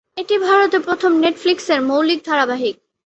এটি ভারতে প্রথম নেটফ্লিক্সের মৌলিক ধারাবাহিক।